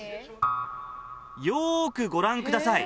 よくご覧ください。